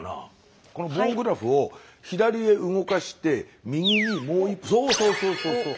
この棒グラフを左へ動かして右にそうそうそうそうそう！